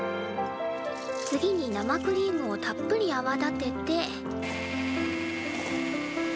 次に生クリームをたっぷりあわ立てて。